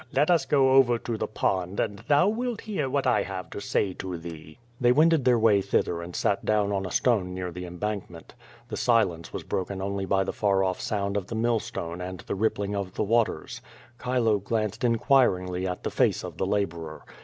Let us go over to the pond, and thou wilt hear what I have to say to thee." They wended their way thither and sat down on a stone near the embankment. The silence was broken only by the far off sound of the mill stone and the rippling of the waters. Chilo glanced inquiringly at the face of the laborer.